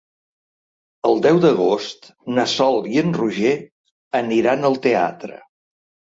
El deu d'agost na Sol i en Roger aniran al teatre.